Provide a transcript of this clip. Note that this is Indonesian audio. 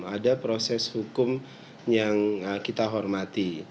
ada proses hukum yang kita hormati